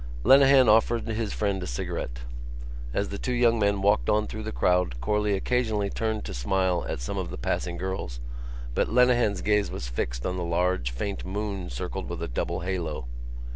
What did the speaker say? Lenehan offered his friend a cigarette. As the two young men walked on through the crowd Corley occasionally turned to smile at some of the passing girls but Lenehan's gaze was fixed on the large faint moon circled with a double halo.